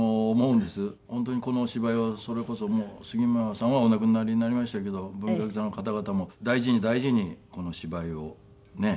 本当にこの芝居をそれこそ杉村さんはお亡くなりになりましたけど文学座の方々も大事に大事にこの芝居をね